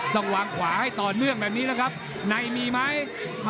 ต้องวางขวาให้ต่อเนื่องแบบนี้แล้วครับในมีไหม